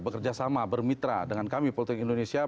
bekerja sama bermitra dengan kami politik indonesia